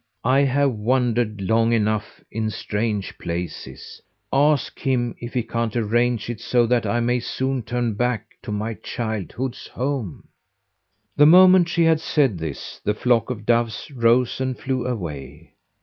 I have wandered long enough in strange places. Ask him if he can't arrange it so that I may soon turn back to my childhood's home." The moment she had said this the flock of doves rose and flew away.